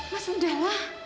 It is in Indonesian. mas mas udahlah